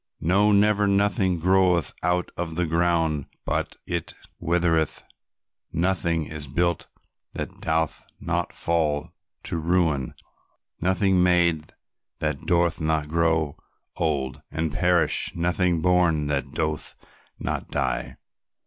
"No, never, nothing groweth out of the ground but it withereth, nothing is built that doth not fall to ruin, nothing made that doth not grow old and perish, nothing born that doth not die.